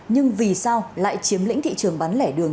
nhưng vì sao lại chiếm lĩnh thị trường bán lẻ đường